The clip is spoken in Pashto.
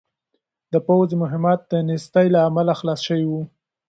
د پوځ مهمات د نېستۍ له امله خلاص شوي وو.